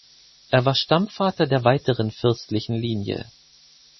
Er war Stammvater der weiteren fürstlichen Linie.